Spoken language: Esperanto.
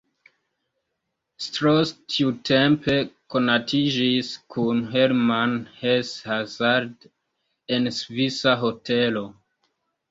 Strauss tiutempe konatiĝis kun Hermann Hesse hazarde en svisa hotelo.